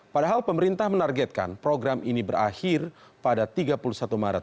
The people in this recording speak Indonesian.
padahal pemerintah menargetkan program ini berakhir pada tiga puluh satu maret dua ribu tujuh belas